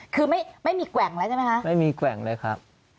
คือไม่มีแกว่งแล้วใช่ไหมคะไม่มีแกว่งเลยครับ